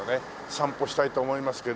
散歩したいと思いますけど。